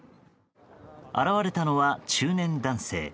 現れたのは中年男性。